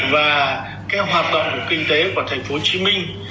và cái hoạt động của kinh tế của thành phố hồ chí minh